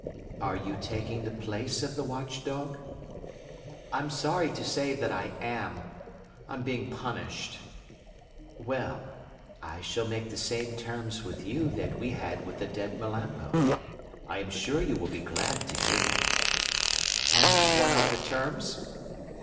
"Are you taking the place of the watchdog?" "I'm sorry to say that I am. I'm being punished." "Well, I shall make the same terms with you that we had with the dead Melampo. I am sure you will be glad to hear them." "And what are the terms?"